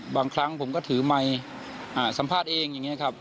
บางครั้งผมก็ถือไมค์สัมภาษณ์เองอย่างนี้ครับ